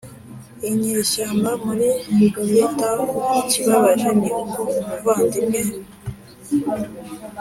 inyeshyamba muri Freetown Ikibabaje ni uko umuvandimwe